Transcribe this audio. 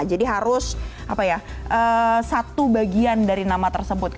jadi harus satu bagian dari nama tersebut